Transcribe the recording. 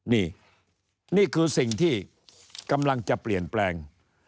นี่นี่คือสิ่งที่กำลังจะเปลี่ยนแปลง